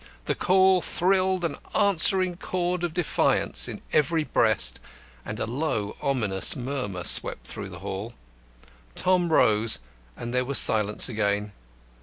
The call thrilled an answering chord of defiance in every breast, and a low ominous murmur swept through the hall. Tom rose, and there was silence again.